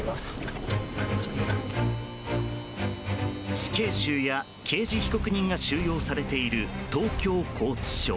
死刑囚や刑事被告人が収容されている東京拘置所。